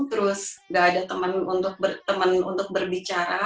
terus nggak ada teman untuk berbicara